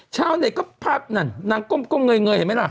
ชาวเน็ตก็ภาพนั่นนางก้มเงยเห็นไหมล่ะ